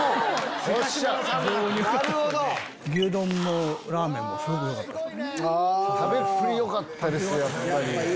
牛丼もラーメンもすごくよかったです。